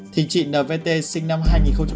thì chị nvt sinh năm hai nghìn năm